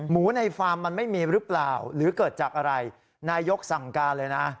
ในฟาร์มมันไม่มีหรือเปล่าหรือเกิดจากอะไรนายกสั่งการเลยนะ